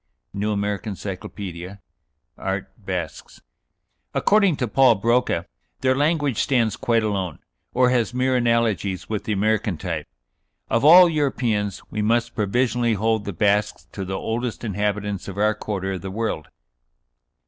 ("New American Cyclopædia," art. Basques.) "According to Paul Broca their language stands quite alone, or has mere analogies with the American type. Of all Europeans, we must provisionally hold the Basques to be the oldest inhabitants of our quarter of the world."